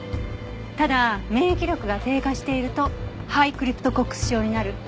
ただ免疫力が低下していると肺クリプトコックス症になる。